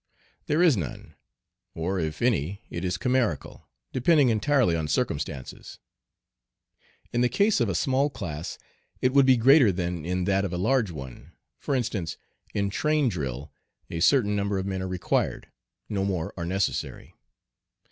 There is none, or if any it is chimerical, depending entirely on circumstances. In the case of a small class it would be greater than in that of a large one. For instance, in "train drill" a certain number of men are required. No more are necessary.